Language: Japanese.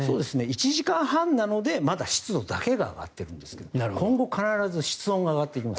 １時間半なのでまだ湿度だけが上がっているんですが今後必ず室温も上がってきます。